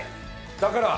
だから！